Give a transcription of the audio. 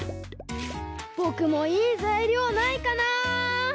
ぼくもいいざいりょうないかな？